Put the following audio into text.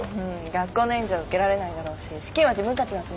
学校の援助は受けられないだろうし資金は自分たちで集めないとね。